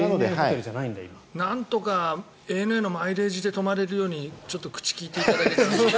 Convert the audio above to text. なんとかＡＮＡのマイレージで泊まれるように口をきいていただけたら。